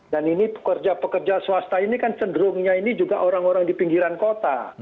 dan ini pekerja pekerja swasta ini kan cenderungnya ini juga orang orang di pinggiran kota